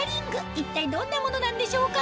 一体どんなものなんでしょうか？